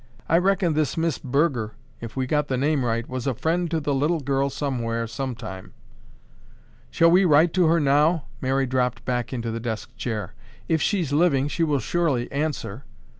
"I reckon this Miss Burger, if we got the name right, was a friend to the little girl somewhere, sometime." "Shall we write to her now?" Mary dropped back into the desk chair. "If she's living, she will surely answer."